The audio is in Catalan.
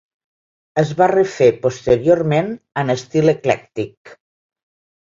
Es va refer posteriorment en estil eclèctic.